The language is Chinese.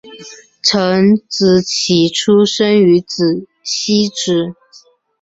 陈植棋出生于汐止